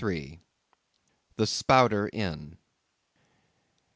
The Spouter Inn.